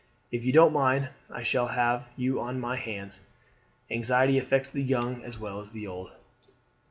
If you don't mind I shall have you on my hands. Anxiety affects the young as well as the old.'